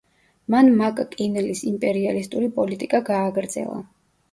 მან მაკ-კინლის იმპერიალისტური პოლიტიკა გააგრძელა.